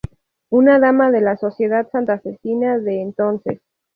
Una dama de la sociedad santafesina de entonces.